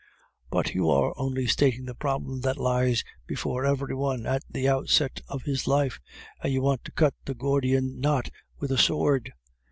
"But you are only stating the problem that lies before every one at the outset of his life, and you want to cut the Gordian knot with a sword.